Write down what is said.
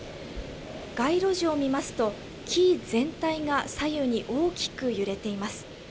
街路樹を見ますと、木全体が左右に大きく揺れています。